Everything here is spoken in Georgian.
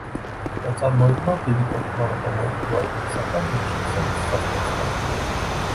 ნაწარმოებმა დიდი პოპულარობა მოიპოვა როგორც საფრანგეთში, ისე მის საზღვრებს გარეთ.